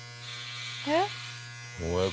えっ？